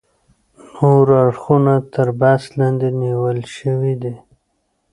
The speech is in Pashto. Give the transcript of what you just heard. نور اړخونه تر بحث لاندې نیول شوي دي.